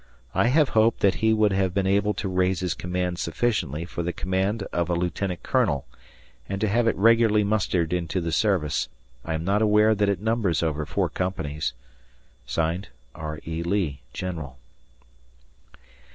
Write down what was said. I have hoped that he would have been able to raise his command sufficiently for the command of a Lieutenant Colonel, and to have it regularly mustered into the service. I am not aware that it numbers over 4 companies. R. E. Lee, General.